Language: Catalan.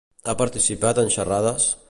Ha participat en xerrades?